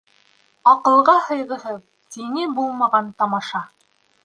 Аҡылға һыйғыһыҙ, тиңе булмаған тамаша!